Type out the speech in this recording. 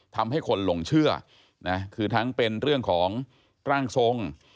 ทำให้คนหลงเชื่อนะคือทั้งเป็นเรื่องของร่างทรง